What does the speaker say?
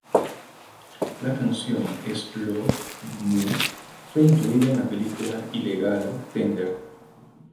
La canción "Slo Mo'" fue incluida en la película "Illegal Tender".